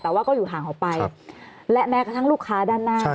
แต่ว่าก็อยู่ห่างออกไปและแม้กระทั่งลูกค้าด้านหน้า